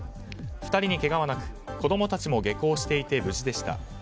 ２人にけがはなく子供たちも下校していて無事でした。